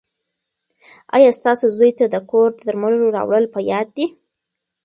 ایا ستاسو زوی ته د کور د درملو راوړل په یاد دي؟